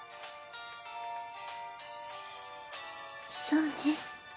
そうね。